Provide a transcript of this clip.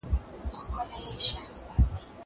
زه سبزېجات نه وچوم.